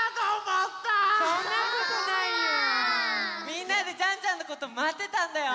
みんなでジャンジャンのことまってたんだよ。